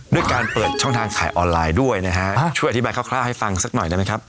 ด้วยการเปิดช่องทางขายออนไลน์ด้วยนะฮะช่วยอธิบายคร่าวให้ฟังสักหน่อยได้ไหมครับ